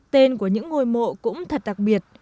tên của những ngôi mộ cũng thật đặc biệt